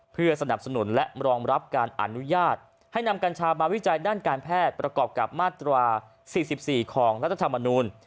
เพื่อสนับสนุนและรองรับการอนุญาตให้นำกัญชามาวิจัยด้านการแพทย์ประกอบกับมาตรา๔๔ของรัฐธรรมนูล